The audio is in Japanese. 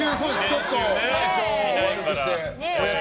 ちょっと体調を悪くして。